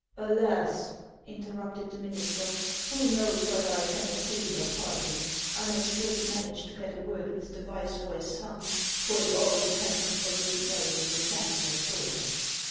" Alas !" interrupted the minister, " who knows whether I can obtain their pardon ? I must first manage to get a word with the viceroy's son, for it all depends upon his marrying the chancellor's daughter."